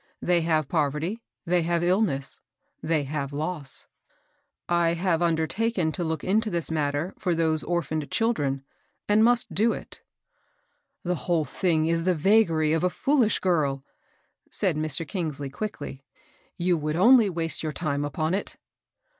They have poverty, they have illness, they have loss. I have undertaken to look intAt}^^ 27 418 MABEL BOSS. matter for those orphaned children, and must do it." The whole thing is the vagary of a fool ish girl," said Mr. Kingsley, quickly. ..You would only waste your time upon it."